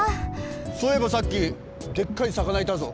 そういえばさっきでっかいさかないたぞ。